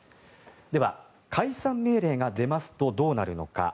では解散命令が出ますとどうなるのか。